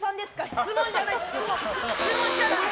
質問じゃない。